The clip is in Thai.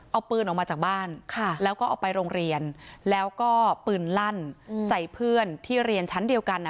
เอาปืนออกมาจากบ้านแล้วก็ออกไปโรงเรียนแล้วก็ปืนลั่นใส่เพื่อนที่เรียนชั้นเดียวกัน